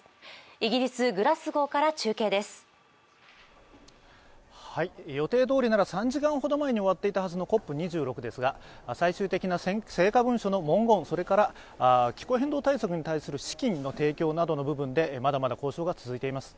イギリス・グラスゴーから中継です予定どおりなら３時間ほど前に終わっていたはずのＣＯＰ２６ですが、最終的な成果文書の文言、気候変動対策に対する資金の部分でまだまだ交渉が続いています。